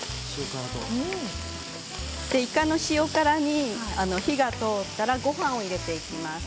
いかの塩辛に火が通ったらごはんを入れていきます。